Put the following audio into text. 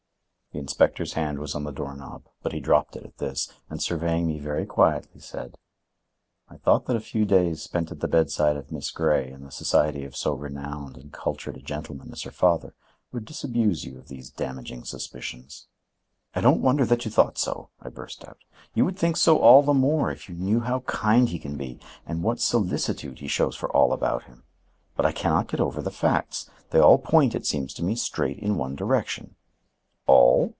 The inspector's hand was on the door knob, but he dropped it at this, and surveying me very quietly said: "I thought that a few days spent at the bedside of Miss Grey in the society of so renowned and cultured a gentleman as her father would disabuse you of these damaging suspicions." "I don't wonder that you thought so," I burst out. "You would think so all the more, if you knew how kind he can be and what solicitude he shows for all about him. But I can not get over the facts. They all point, it seems to me, straight in one direction." "All?